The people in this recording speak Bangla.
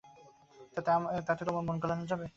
তাতে তোমার মন গলানো যাবে?